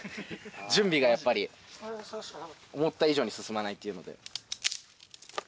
準備がやっぱり思った以上に進まないっていうので。